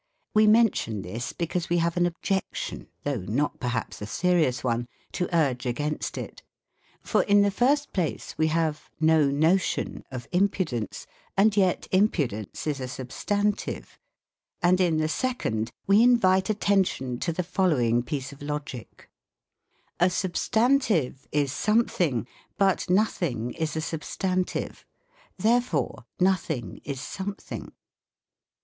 We mention this, because we have an objection, though, not, perhaps, a serious one, 22 THE COMIC ENGLISH GRAMMAR. to urge against it ; for, in the first place, we have " n« notion" of Impudence, and yet impudence is a substan tive ; and, in the second, we invite attention to the fol lowing piece of Logic, A substantive is something, But nothing is a substantive ; Therefore, nothing is something.